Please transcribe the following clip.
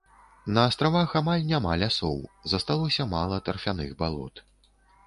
На астравах амаль няма лясоў, засталося мала тарфяных балот.